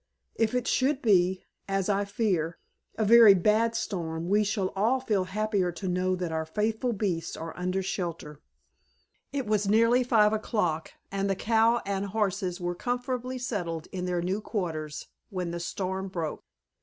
If it should be, as I fear, a very bad storm we shall all feel happier to know that our faithful beasts are under shelter." It was nearly five o'clock, and the cow and horses were comfortably settled in their new quarters, when the storm broke.